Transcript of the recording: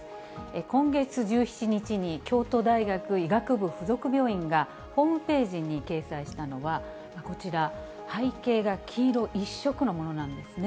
今月１７日に京都大学医学部付属病院が、ホームページに掲載したのは、こちら、背景が黄色一色のものなんですね。